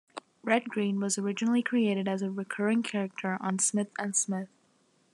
Red Green was originally created as a recurring character on "Smith and Smith".